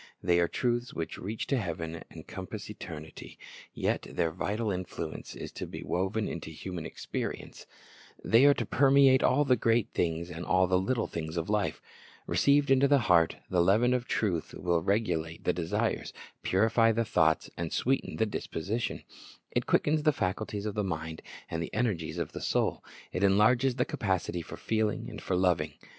They are truths which reach to heaven and compass eternity, yet their vital influence is to be woven into human experience. They are 1 Rom. 10:17; John 17:17 ■ The ntercliant and the man of leisure. '' L i k c It n t o Lea v en'' lOI to permeate all the great things and all the little things of life. Received into the heart, the leaven of truth will regulate the desires, purify the thoughts, and sweeten the disposition. It quickens the faculties of the mind and the energies of the soul. It enlarges the capacity for feeling, for loving.